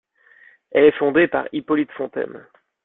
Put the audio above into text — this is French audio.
Elle est fondée par Hippolyte Fontaine.